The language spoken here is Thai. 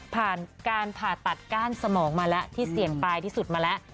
ผ่านการผ่าตัดก้านสมองมาแล้วที่เสี่ยงปลายที่สุดมาแล้ว